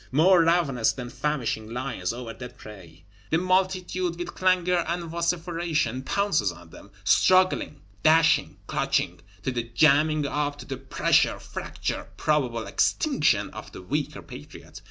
More ravenous than famishing lions over dead prey, the multitude, with clangor and vociferation, pounces on them; struggling, dashing, clutching, to the jamming up, to the pressure, fracture, and probable extinction of the weaker Patriot.